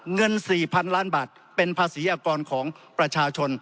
เงิน๔๐๐๐ล้านบาทเป็นภาษีอากรของประชาชน